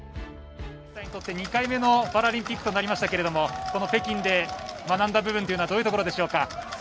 自身にとって２回目のパラリンピックとなりましたが北京で学んだ部分というのはどういうところでしょう。